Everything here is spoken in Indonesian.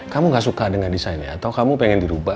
kamu gak suka dengan desainnya atau kamu pengen dirubah